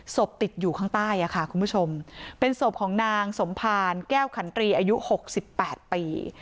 ศพติดอยู่ข้างใต้ค่ะคุณผู้ชมเป็นศพของนางสมภารแก้วขันตรีอายุ๖๘ปี